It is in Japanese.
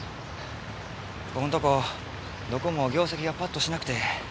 ここんとこどこも業績がパッとしなくて。